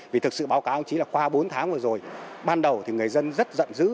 vì thực sự báo cáo chí là qua bốn tháng vừa rồi ban đầu thì người dân rất giận dữ